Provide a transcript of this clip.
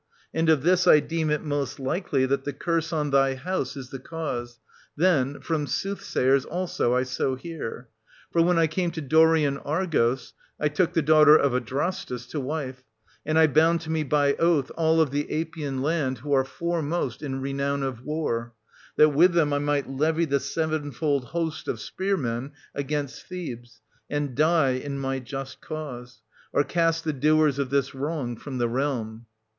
And of this I deem it most likely that the curse on thy house is the cause ; then 1300 from soothsayers also I so hear. For when I came to Dorian Argos, I took the daughter of Adrastus to wife ; and I bound to me by oath all of the Apian land who are foremost in renown of war, that with them I might levy the sevenfold host of spearmen against Thebes, and die in my just cause, or cast the doers of this wrong from the realm.